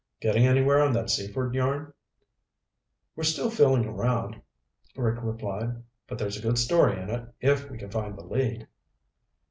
"Getting anywhere on that Seaford yarn?" "We're still feeling around," Rick replied. "But there's a good story in it if we can find the lead."